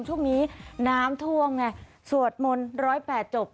ช่วงนี้น้ำท่วงเนี่ยสวดมนต์ร้อยแปดจบ